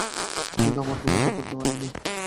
কিন্তু আমার কূপে পর্যাপ্ত পানি নেই।